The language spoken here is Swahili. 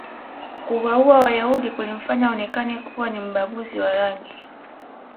kuwauwa wayahudi kulimfanya aonekane kuwa ni mbaguzi wa rangi